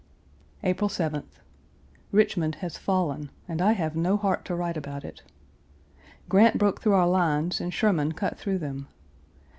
April 7th. Richmond has fallen and I have no heart to write about it. Grant broke through our lines and Sherman cut through them.